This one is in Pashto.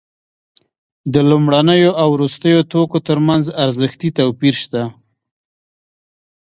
د لومړنیو او وروستیو توکو ترمنځ ارزښتي توپیر شته